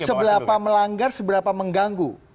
sebelah apa melanggar sebelah apa mengganggu